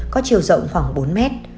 có chiều rộng khoảng bốn mét